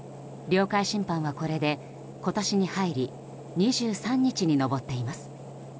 領海侵犯は、これで今年に入り２３日に上っています。